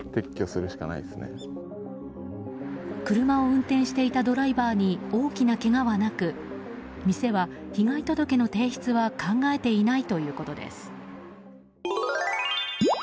車を運転していたドライバーに大きなけがはなく店は被害届の提出は考えていないということです。